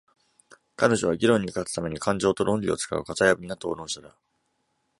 彼女は、議論に勝つために感情と論理を使う型破りな討論者だ。